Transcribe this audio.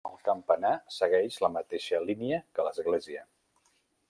El campanar segueix la mateixa línia que l'església.